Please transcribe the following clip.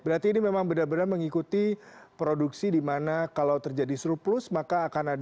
berarti ini memang benar benar mengikuti produksi di mana kalau terjadi surplus maka akan ada harga yang secara tidak langsung akan meningkat